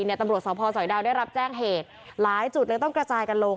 ตำรวจสพสอยดาวได้รับแจ้งเหตุหลายจุดเลยต้องกระจายกันลง